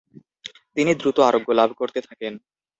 তিনি দ্রুত আরোগ্য লাভ করতে থাকেন।